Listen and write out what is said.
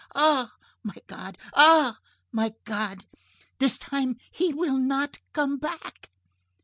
Ah! my God! Ah! my God! This time he will not come back!"